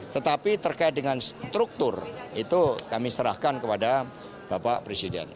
tetapi terkait dengan struktur itu kami serahkan kepada bapak presiden